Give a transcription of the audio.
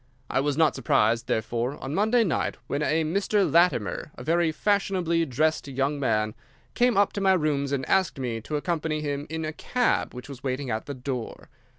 I was not surprised, therefore, on Monday night when a Mr. Latimer, a very fashionably dressed young man, came up to my rooms and asked me to accompany him in a cab which was waiting at the door.